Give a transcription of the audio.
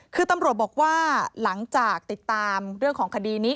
คือตำรวจบอกว่าหลังจากติดตามเรื่องของคดีนี้